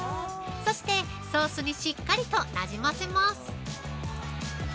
そして、ソースにしっかりとなじませます。